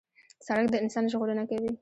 سړک د انسان ژغورنه کوي.